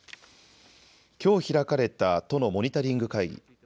きょう開かれた都のモニタリング会議。